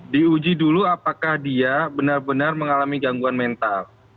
diuji dulu apakah dia benar benar mengalami gangguan mental